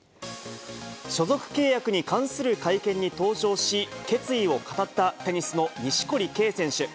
所属契約に関する会見に登場し、決意を語ったテニスの錦織圭選手。